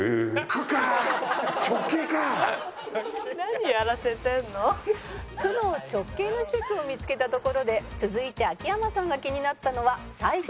「区の直系の施設を見つけたところで続いて秋山さんが気になったのは最上階の１２階」